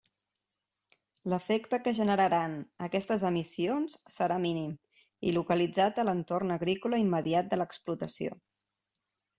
L'efecte que generaran aquestes emissions serà mínim i localitzat a l'entorn agrícola immediat de l'explotació.